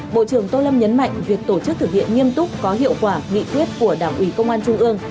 bộ trưởng tô lâm nhấn mạnh việc tổ chức thực hiện nghiêm túc có hiệu quả nghị quyết của đảng ủy công an trung ương